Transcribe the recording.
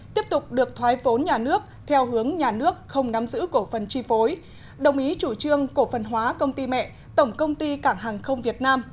tiếp tục được thoái vốn nhà nước theo hướng nhà nước không nắm giữ cổ phần chi phối đồng ý chủ trương cổ phần hóa công ty mẹ tổng công ty cảng hàng không việt nam